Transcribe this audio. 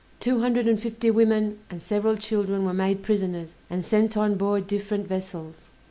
Two hundred and fifty women, and several children, were made prisoners, and sent on board different vessels.